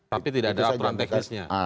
tapi tidak ada aturan teknisnya